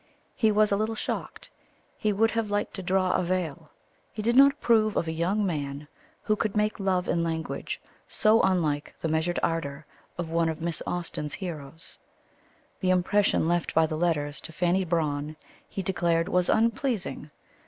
He was a little shocked; he would have liked to draw a veil; he did not approve of a young man who could make love in language so unlike the measured ardour of one of Miss Austen's heroes. The impression left by the letters to Fanny Brawne, he declared, was "unpleasing."